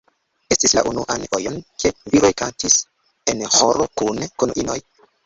Estis la unuan fojon, ke viroj kantis en ĥoro kune kun inoj.